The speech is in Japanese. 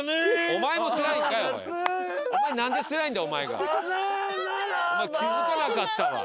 お前気付かなかったわ。